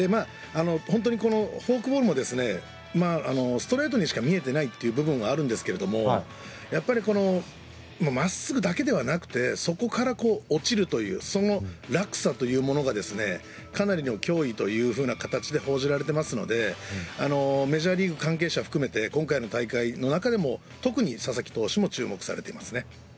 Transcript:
このフォークボールもストレートにしか見えてないという部分があるんですけども真っすぐだけではなくてそこから落ちるというその落差というものがかなりの脅威という形で報じられていますのでメジャーリーグ関係者含めて今回の大会の中でも特に佐々木投手も注目されていますね。